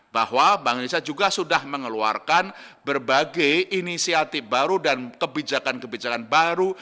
bahwa bank indonesia juga sudah mengeluarkan berbagai inisiatif baru dan kebijakan kebijakan baru